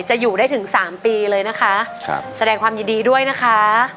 อยู่ได้ถึงสามปีเลยนะคะครับแสดงความยินดีด้วยนะคะ